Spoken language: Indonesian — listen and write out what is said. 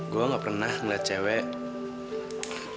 gue gak pernah ngeliat cewek